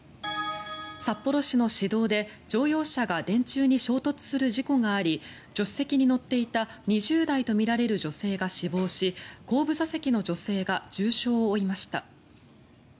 札幌市の市道で乗用車が電柱に衝突する事故があり助手席に乗っていた２０代とみられる女性が死亡し後部座席の女性が重傷を負いました。